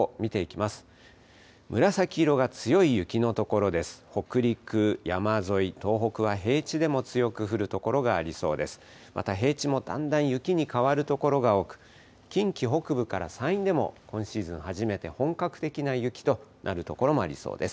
また平地もだんだん雪に変わる所が多く、近畿北部から山陰でも、今シーズン初めて本格的な雪となる所もありそうです。